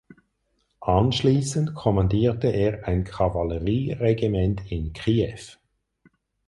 Anschließend kommandierte er ein Kavallerieregiment in Kiew.